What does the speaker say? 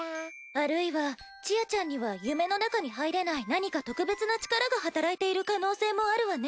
あるいはちあちゃんには夢の中に入れない何か特別な力が働いている可能性もあるわね。